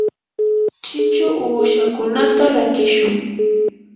chichu uushakunata rakishun.